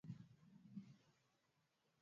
Tukumbukeni maneno ya ba kambo yetu nju ya kurima